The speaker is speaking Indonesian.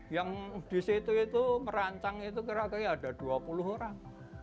yang di situ itu merancang itu kira kira ada dua puluh orang